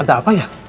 ada apa ya